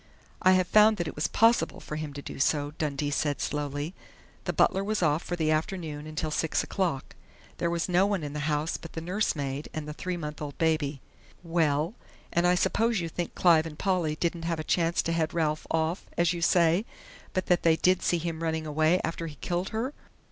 "I have found that it was possible for him to do so," Dundee said slowly. "The butler was off for the afternoon until six o'clock. There was no one in the house but the nursemaid and the three months old baby." "Well? And I suppose you think Clive and Polly didn't have a chance to head Ralph off, as you say, but that they did see him running away after he killed her?"